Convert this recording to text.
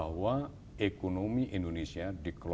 kita harus apresiasi bahwa ekonomi indonesia dikelola